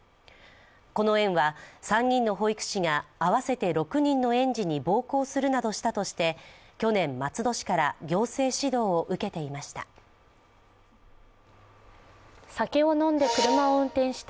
この園は３人の保育士が合わせて６人の園児に暴行するなどしたとして去年、松戸市から行政指導を受けていました。